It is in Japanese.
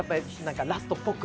ラストっぽく。